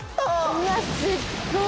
うわすっごい！